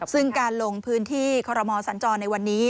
ซึ่งการลงพื้นที่คอรมอสัญจรในวันนี้